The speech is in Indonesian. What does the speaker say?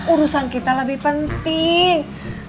urusan kita lebih penting